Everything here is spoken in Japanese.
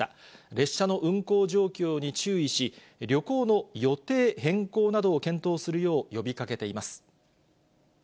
列車の運行状況に注意し、旅行の予定変更などを検討するよう呼びかけています。